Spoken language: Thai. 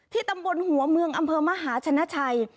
ตำบลหัวเมืองอำเภอมหาชนะชัย